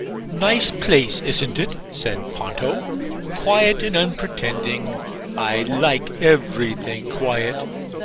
'Nice place, isn't it?' said Ponto. 'Quiet and unpretending. I like everything quiet.